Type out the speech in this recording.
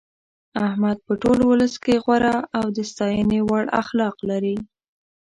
احمد په ټول ولس کې غوره او د ستاینې وړ اخلاق لري.